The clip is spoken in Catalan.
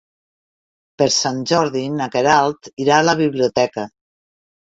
Per Sant Jordi na Queralt irà a la biblioteca.